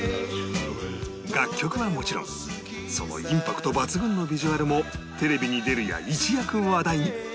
楽曲はもちろんそのインパクト抜群のビジュアルもテレビに出るや一躍話題に